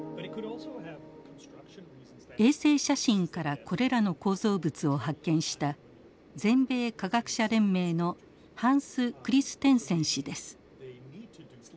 衛星写真からこれらの構造物を発見した全米科学者連盟のハンス・クリステンセン氏です。